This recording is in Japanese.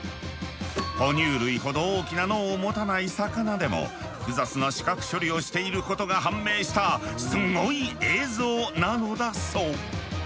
ほ乳類ほど大きな脳を持たない魚でも複雑な視覚処理をしていることが判明したスゴい映像なのだそう。